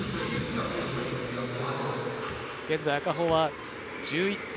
現在、赤穂は１１点。